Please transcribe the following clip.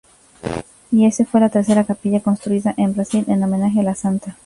Y esa fue la tercera capilla construida en Brasil en homenaje a la santa.